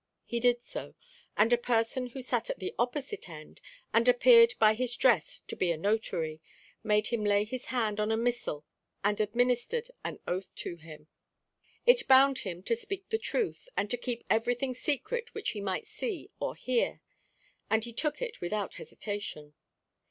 He did so, and a person who sat at the opposite end, and appeared by his dress to be a notary, made him lay his hand on a missal, and administered an oath to him. It bound him to speak the truth, and to keep everything secret which he might see or hear; and he took it without hesitation.